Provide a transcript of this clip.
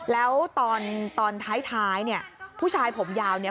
แล้วตอนท้ายผู้ชายผมยาวนี่